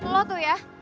lo tuh ya